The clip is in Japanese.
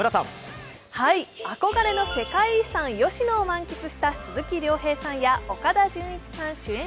憧れの世界遺産・吉野を満喫した鈴木亮平さんや岡田准一さん主演